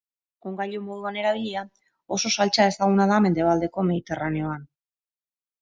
Ongailu moduan erabilia, oso saltsa ezaguna da mendebaldeko Mediterraneoan.